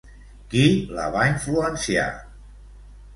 Qui la va influenciar?